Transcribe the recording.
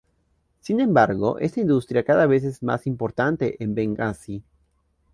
Sin embargo, esta industria cada vez es más importante en Bengasi.